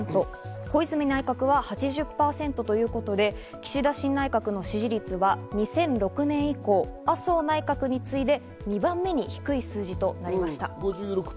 小泉内閣は８０％ということで岸田新内閣の支持率は２００６年以降、麻生内閣に次いで２番目に低い数字となりました。